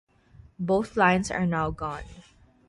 Both lines are now gone.